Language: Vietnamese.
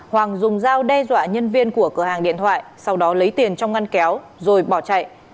hoàng dùng dao đe dọa nhân viên của cửa hàng điện thoại sau đó lấy tiền trong ngăn kéo rồi bỏ chạy